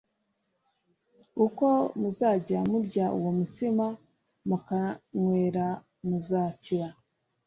uko muzajya murya uwo mutsima mukanywera muzakira